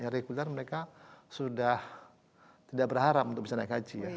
reguler mereka sudah tidak berharap untuk bisa naik haji ya